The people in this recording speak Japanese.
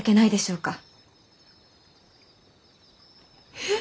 えっ！？